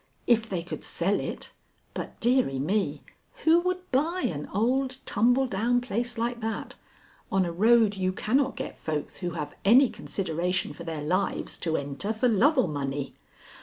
If they could sell it! But, deary me, who would buy an old tumble down place like that, on a road you cannot get folks who have any consideration for their lives to enter for love or money?